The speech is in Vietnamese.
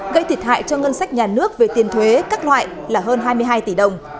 gây thiệt hại cho ngân sách nhà nước về tiền thuế các loại là hơn hai mươi hai tỷ đồng